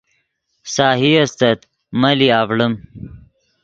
سہی استت ملی آڤڑیم